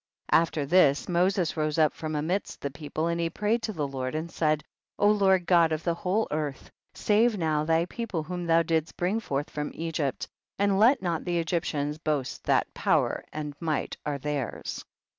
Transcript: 34. After this Moses rose up from amidst the people, and he prayed to the Lord and said, 35. Lord God of the whole earth, save now thy people whom thou didst bring forth from Egypt, and let not the Egyptians boast that power and might are theirs.